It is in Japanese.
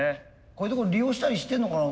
こういう所利用したりしてんのかな？